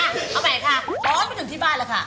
เอาใหม่ค่ะขอไปถึงที่บ้านแล้วค่ะ